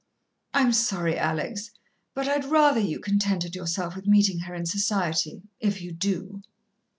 "I'm sorry, Alex, but I'd rather you contented yourself with meetin' her in society if you do."